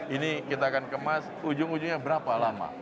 ini kita akan kemas ujung ujungnya berapa lama